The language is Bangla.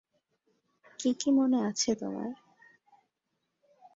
কী কী মনে আছে তোমার?